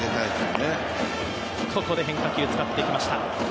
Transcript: ここで変化球使ってきました。